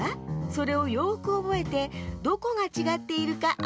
それをよくおぼえてどこがちがっているかあててちょうだい。